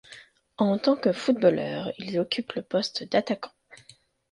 En tant que footballeur, il occupe le poste d'attaquant.